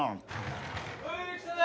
おう来たぞ！